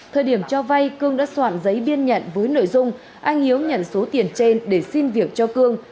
thời điểm cho vay cương đã soạn giấy biên nhận với nội dung anh hiếu nhận số tiền trên để xin việc cho cương